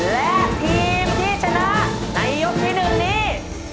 และทีมที่ชนะในยกที่๑นี้